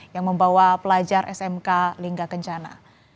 yang membawa pelajar smk lingga kencana